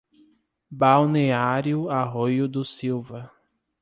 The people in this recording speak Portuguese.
Balneário Arroio do Silva